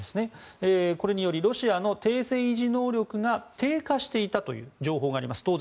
これによりロシアの停戦維持能力が低下していたという情報があります。